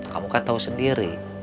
kamu kan tau sendiri